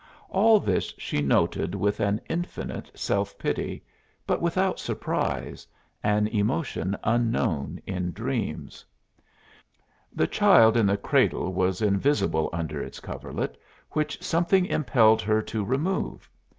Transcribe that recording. All this she noted with an infinite self pity, but without surprise an emotion unknown in dreams. The child in the cradle was invisible under its coverlet which something impelled her to remove.